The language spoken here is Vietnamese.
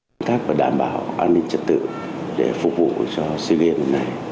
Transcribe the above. công tác và đảm bảo an ninh trật tự để phục vụ cho si game này